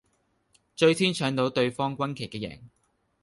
最先搶到對方軍旗嘅贏